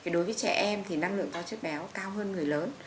đối với trẻ em thì năng lượng to chất béo cao hơn người lớn